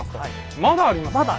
まだあります。